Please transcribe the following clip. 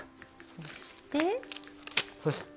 そして。